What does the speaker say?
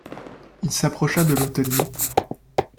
Il s’approcha de l’hôtelier.